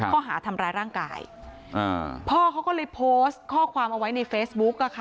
ข้อหาทำร้ายร่างกายพ่อเขาก็เลยโพสต์ข้อความเอาไว้ในเฟซบุ๊กอะค่ะ